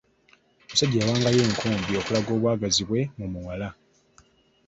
Omusajja yawangayo enkumbi okulaga obwagazi bwe mu muwala.